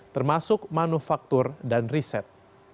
termasuk manufaktur dan riset